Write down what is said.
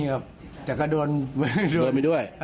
อืม